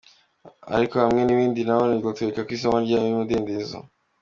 Ariko hamwe n’ibi na none batwereka isōko nyayo y’umudendezo:.